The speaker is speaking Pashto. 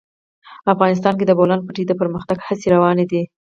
افغانستان کې د د بولان پټي د پرمختګ هڅې روانې دي.